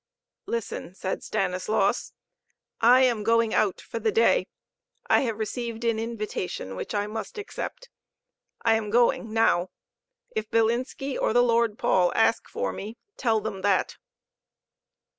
"Listen," said Stanislaus, "I am going out for the day. I have received an invitation which I must accept. I am going now. If Bilinski or the Lord Paul ask for me, tell them that."